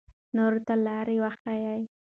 نورو ته لار وښایئ.